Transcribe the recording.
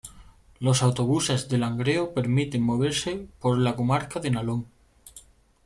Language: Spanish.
Los Autobuses de Langreo permiten moverse por la comarca del Nalón.